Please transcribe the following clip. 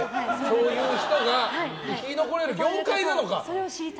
そういう人が生き残れる業界なのか。